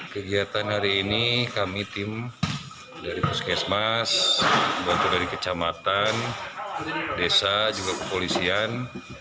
kegiatan hari ini kami tim dari puskesmas bantu dari kecamatan desa juga kepolisian